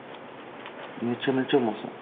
めちゃめちゃうまそう。